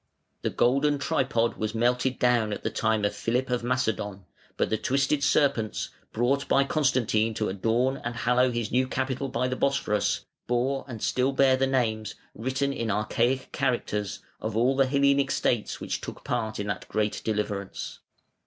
The golden tripod was melted down at the time of Philip of Macedon, but the twisted serpents, brought by Constantine to adorn and hallow his new capital by the Bosphorus, bore and still bear the names, written in archaic characters, of all the Hellenic states which took part in that great deliverance.